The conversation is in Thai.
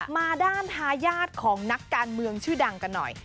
มาด้านทายาทของนักการเมืองชื่อดังกันหน่อย